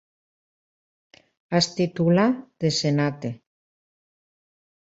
Es titula The Senate.